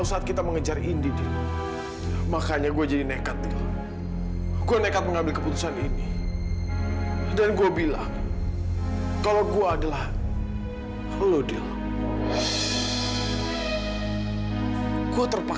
sampai jumpa di video selanjutnya